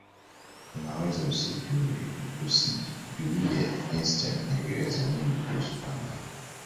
unaweza usijuie einstein aliwaza nini kuhusu thamani